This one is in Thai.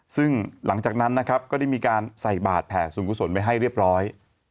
ซึ่งหลังจากนั้นนะครับก็ได้มีการใส่บาทแผ่สูงกุศลไปให้เรียบร้อย